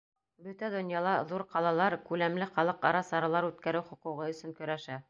Бөтә донъяла ҙур ҡалалар күләмле халыҡ-ара саралар үткәреү хоҡуғы өсөн көрәшә.